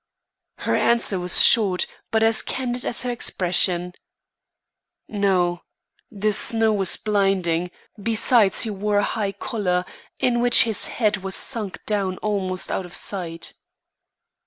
Her answer was short but as candid as her expression. "No. The snow was blinding; besides he wore a high collar, in which his head was sunk down almost out of sight."